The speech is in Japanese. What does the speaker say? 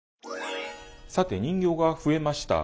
さて人形が増えました。